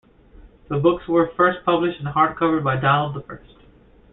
The books were first published in hardcover by Donald the First.